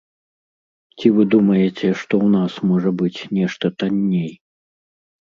Ці вы думаеце, што ў нас можа быць нешта танней?